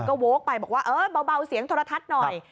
ก็โว๊คไปบอกว่าเออเบาเสียงโทรทัศน์หน่อย